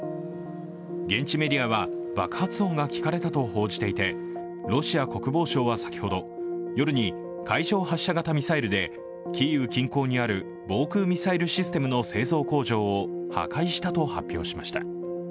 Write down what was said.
現地メディアは、爆発音が聞かれたと報じていてロシア国防省は先ほど夜に海上発射型ミサイルでキーウ近郊にうる防空ミサイルシステムの製造工場を破壊したと発表しました。